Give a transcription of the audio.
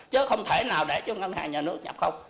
chứ không thể nào để cho ngân hàng nhà nước nhập không